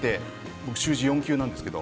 僕、習字４級なんですけど。